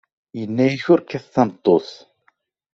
Yenna-ak ur kkat tameṭṭut.